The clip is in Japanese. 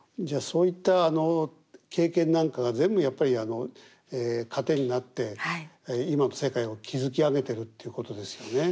じゃあそういった経験なんかが全部やっぱり糧になって今の世界を築き上げてるっていうことですよね。